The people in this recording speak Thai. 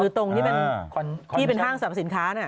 ตรงที่เป็นห้างสรรพสินค้า